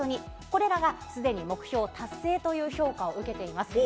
これらがすでに目標達成という評価を受けています。